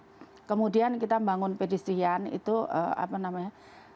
iya kemudian kita membangun peristrian itu apa namanya